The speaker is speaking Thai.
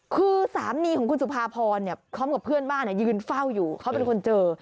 คือสามีของคุณสุภาพรพร้อมกับเพื่อนบ้านยืนเฝ้าอยู่เขาเป็นคนเจอ